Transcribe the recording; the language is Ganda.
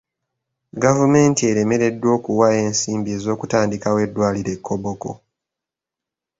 Gavumenti eremereddwa okuwaayo ensimbi ez'okutandikawo eddwaliro e Koboko.